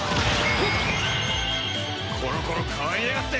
コロコロ変わりやがって！